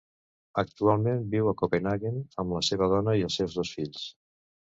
Actualment viu a Copenhaguen amb la seva dona i els seus dos fills.